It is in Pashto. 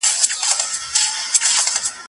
پېزوان به هم پر شونډو سپور وو اوس به وي او کنه